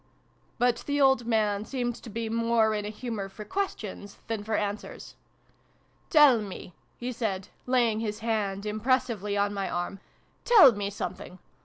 But the old man seemed to be more in a humour for questions than for answers. " Tell me," he said, laying his hand impressively on my arm, " tell me something.